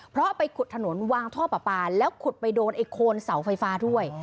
เพราะไปขุดถนนวางท่อปลาปลาแล้วขุดไปโดนไอ้โคนเสาไฟฟ้าด้วย